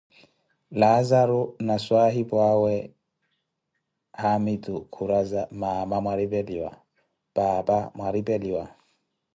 Laazaru na swaahipuawe haamitu khuraza: mama mwaripeliwa, paapa mwaripeliwa?